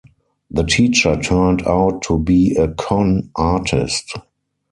The Teacher turned out to be a con artist.